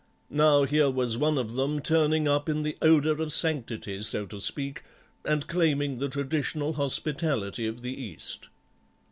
Now here was one of them turning up in the odour of sanctity, so to speak, and claiming the traditional hospitality of the East."